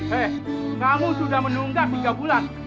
hei kamu sudah menunggak tiga bulan